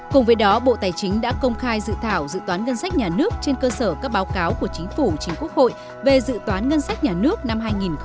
cùng với đó bộ tài chính đã công khai dự thảo dự toán ngân sách nhà nước trên cơ sở các báo cáo của chính phủ chính quốc hội về dự toán ngân sách nhà nước năm hai nghìn một mươi chín